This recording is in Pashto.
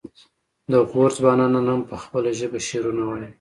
د غور ځوانان نن هم په خپله ژبه شعرونه وايي